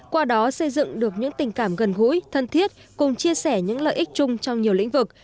qua đó xây dựng được những tình cảm gần gũi thân thiết cùng chia sẻ những lợi ích chung trong nhiều lĩnh vực